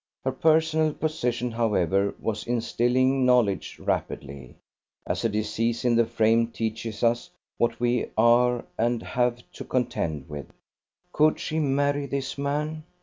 Her personal position, however, was instilling knowledge rapidly, as a disease in the frame teaches us what we are and have to contend with. Could she marry this man?